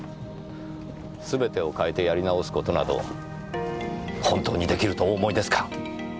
すべてを変えてやり直す事など本当に出来るとお思いですか！？